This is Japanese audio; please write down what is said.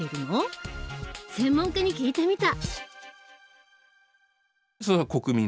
専門家に聞いてみた。